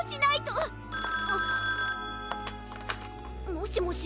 もしもし。